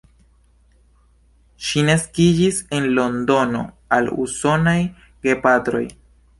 Ŝi naskiĝis en Londono al usonaj gepatroj.